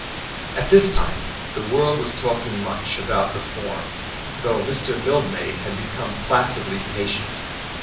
At this time the world was talking much about Reform, though Mr. Mildmay had become placidly patient.